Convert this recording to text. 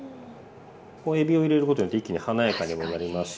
えびを入れることによって一気に華やかにもなりますし。